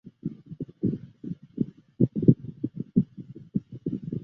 后升任苏州府知府